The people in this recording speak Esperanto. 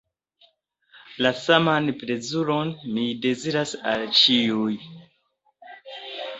La saman plezuron mi deziras al ĉiuj.